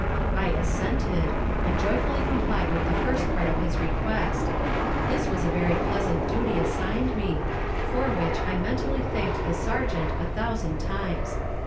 I assented, and joyfully complied with the first part of his request. This was a very pleasant duty assigned me, for which I mentally thanked the sergeant a thousand times.